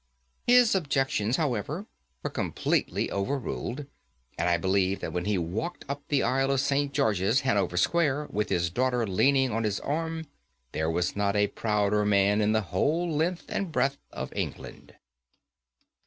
His objections, however, were completely overruled, and I believe that when he walked up the aisle of St. George's, Hanover Square, with his daughter leaning on his arm, there was not a prouder man in the whole length and breadth of England.